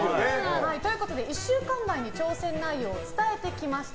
１週間前に挑戦内容を伝えてきました。